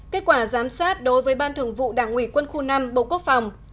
kết quả giám sát đối với ban thường vụ đảng ủy quân khu năm bộ quốc phòng